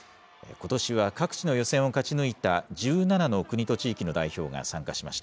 ことしは各地の予選を勝ち抜いた１７の国と地域の代表が参加しました。